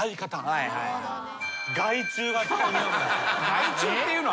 ・外注っていうの？